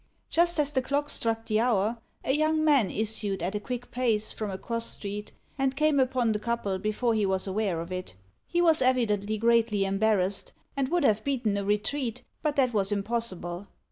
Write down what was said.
Just as the clock struck the hour, a young man issued at a quick pace from a cross street, and came upon the couple before he was aware of it. He was evidently greatly embarrassed, and would have beaten a retreat, but that was impossible.